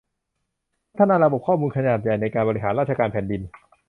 พัฒนาระบบข้อมูลขนาดใหญ่ในการบริหารราชการแผ่นดิน